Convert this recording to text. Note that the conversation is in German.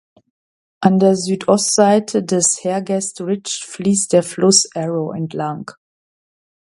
An der Südostseite des "Hergest Ridge" fließt der Fluss Arrow entlang.